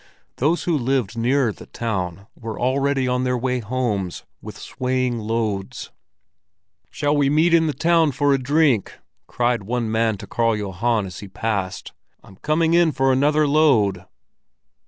Those who lived nearer the town were already on their way home with swaying loads. "Shall we meet in the town for a drink?" cried one man to Karl Johan as he passed. "I'm coming in for another load."